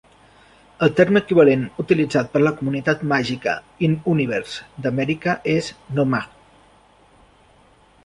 El terme equivalent utilitzat per la comunitat màgica in-universe d"Amèrica és No-Maj.